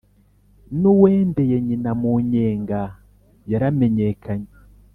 n'uwendeye nyina mu nyenga yaramenyekanye